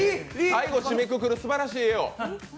最後締めくくるすばらしい絵を。